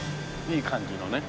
いい感じのね。